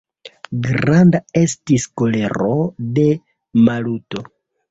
Granda estis kolero de Maluto.